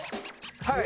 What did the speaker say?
はい。